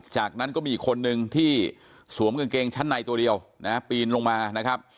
จากนั้นก็มีอีกคนนึงที่สวมกางเกงชั้นในตัวเดียวนะปีนลงมานะครับ